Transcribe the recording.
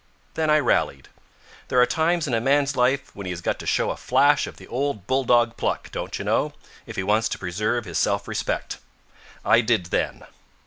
Then I rallied. There are times in a man's life when he has got to show a flash of the old bulldog pluck, don't you know, if he wants to preserve his self respect. I did then.